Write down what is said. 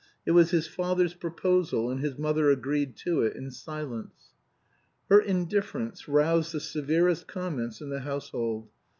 It was his father's proposal, and his mother agreed to it in silence. Her indifference roused the severest comments in the household. Mrs.